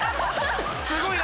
すごいな！